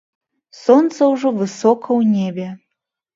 Сонца ўжо высока ў небе.